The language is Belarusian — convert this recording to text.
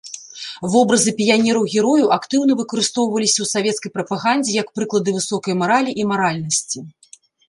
Вобразы піянераў-герояў актыўна выкарыстоўваліся ў савецкай прапагандзе як прыклады высокай маралі і маральнасці.